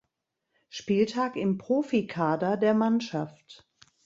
Spieltag im Profikader der Mannschaft.